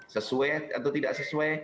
sesuai atau tidak sesuai